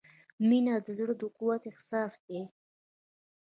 • مینه د زړۀ د قوت احساس دی.